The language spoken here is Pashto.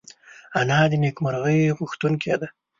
انا د نېکمرغۍ غوښتونکې ده